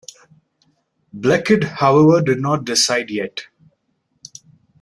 Bleckede, however, did not decide yet.